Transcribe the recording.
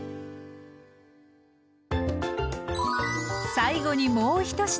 最後にもう１品。